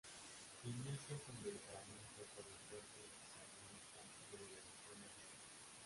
Inicia su involucramiento con el Frente Sandinista de Liberación Nacional.